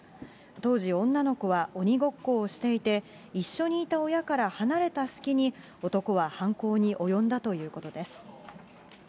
当時、女の子は鬼ごっこをしていて、一緒にいた親から離れた隙に、男は犯行に及んだということです。